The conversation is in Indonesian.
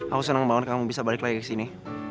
aku seneng banget kamu bisa balik lagi kesini